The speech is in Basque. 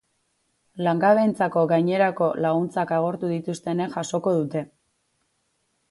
Langabeentzako gainerako laguntzak agortu dituztenek jasoko dute.